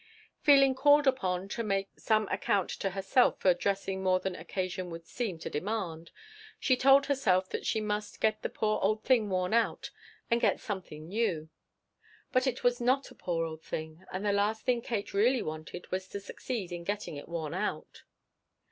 Feeling called upon to make some account to herself for dressing more than occasion would seem to demand, she told herself that she must get the poor old thing worn out and get something new. But it was not a poor old thing, and the last thing Katie really wanted was to succeed in getting it worn out.